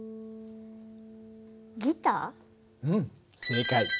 うん正解。